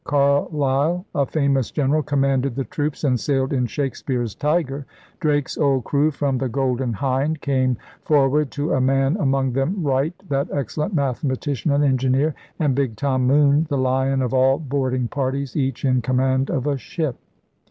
Carleill, a famous general, commanded the troops and sailed in Shakespeare's Tiger, Drake's old crew from the Golden Hind came for ward to a man, among them Wright, 'that excel lent mathematician and ingineer,' and big Tom Moone, the lion of all boarding parties, each in command of a ship.